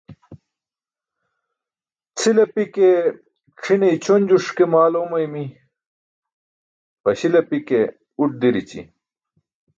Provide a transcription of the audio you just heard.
Cʰil api ke c̣ʰine ićʰonjuş ke maal oomaymi, ġaśil api ke uṭ dirici.